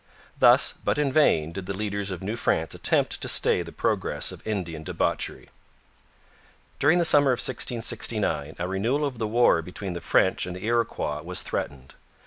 Thus, but in vain, did the leaders of New France attempt to stay the progress of Indian debauchery. During the summer of 1669 a renewal of the war between the French and the Iroquois was threatened.